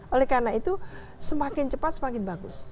oleh karena itu semakin cepat semakin bagus